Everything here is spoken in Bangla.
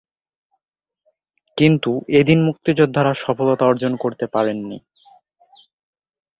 কিন্তু এদিন মুক্তিযোদ্ধারা সফলতা অর্জন করতে পারেননি।